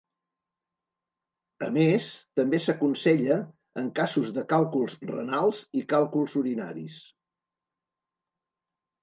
A més també s'aconsella en casos de càlculs renals i càlculs urinaris.